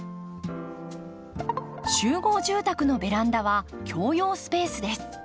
集合住宅のベランダは共用スペースです。